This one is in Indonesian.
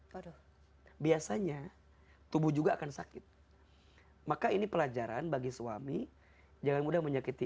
pada biasanya tubuh juga akan sakit maka ini pelajaran bagi suami jangan mudah menyakiti